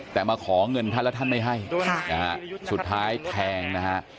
แต่มาขอเงินท่านแล้วท่านไม่ให้นะฮะสุดท้ายแพงนะฮะ